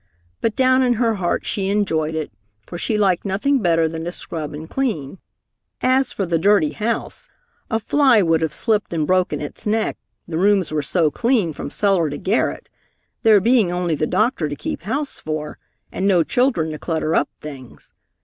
But down in her heart she enjoyed it, for she liked nothing better than to scrub and clean. As for the dirty house, a fly would have slipped and broken its neck, the rooms were so clean from cellar to garret, there being only the doctor to keep house for, and no children to clutter up things.